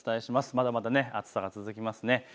まだまだ暑さ続きます。